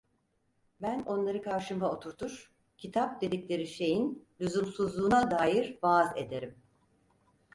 Ben onları karşıma oturtur, kitap dedikleri şeyin lüzumsuzluğuna dair vaaz ederim.